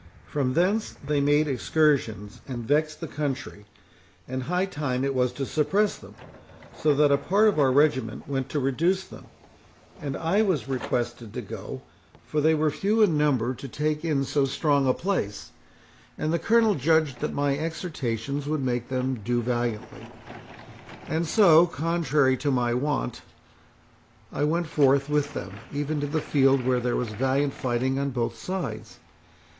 From thence they made excursions, and vexed the country; and high time it was to suppress them, so that a part of our regiment went to reduce them; and I was requested to go, for they were few in number to take in so strong a place, and the Colonel judged that my exhortations would make them do valiantly. And so, contrary to my wont, I went forth with them, even to the field, where there was valiant fighting on both sides.